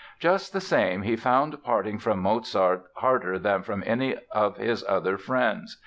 Just the same, he found parting from Mozart harder than from any of his other friends.